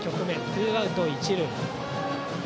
ツーアウト、一塁。